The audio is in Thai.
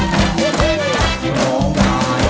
พี่คุณไม้ร้องไป